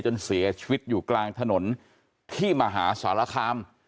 จนเสียชีวิตอยู่กลางถนนที่มหาสารคาม